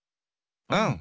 うん！